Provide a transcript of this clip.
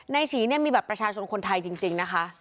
ฉีเนี่ยมีบัตรประชาชนคนไทยจริงนะคะ